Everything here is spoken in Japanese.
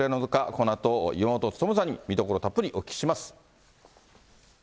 このあと岩本勉さんに、見どころをたっぷりお聞きします。